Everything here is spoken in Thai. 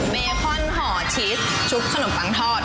เบคอนห่อชีสชุบขนมปังทอด